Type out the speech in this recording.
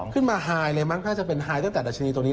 ขึ้นมาไฮเลยมักว่าจะเป็นไฮตั้งแต่ดัชนีตรงนี้